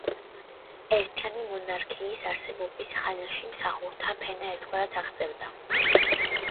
ერთიანი მონარქიის არსებობის ხანაში მსახურთა ფენა ერთგვარად აღზევდა.